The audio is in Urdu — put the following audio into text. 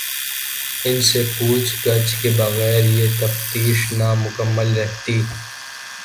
ان سے پوچھ گچھ کے بغیر یہ تفتیش نامکمل رہتی۔